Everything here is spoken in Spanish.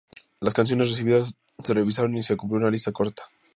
Las canciones recibidas se revisaron y se compiló una lista corta.